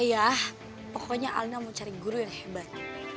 ayah pokoknya alina mau cari guru yang hebat